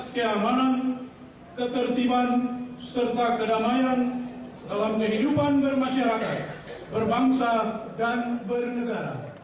keamanan ketertiban serta kedamaian dalam kehidupan bermasyarakat berbangsa dan bernegara